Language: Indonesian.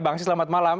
bang ansyi selamat malam